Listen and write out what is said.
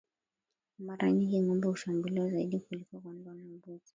Mara nyingi ngombe hushambuliwa zaidi kuliko kondoo na mbuzi